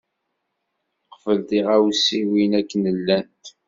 Qbel tiɣawsiwin akken llant.